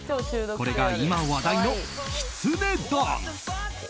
これが今、話題のきつねダンス。